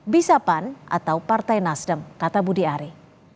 bisa pan atau partai nasdem kata budi ari